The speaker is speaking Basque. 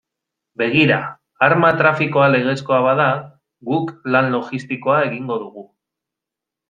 Begira, arma trafikoa legezkoa bada, guk lan logistikoa egingo dugu.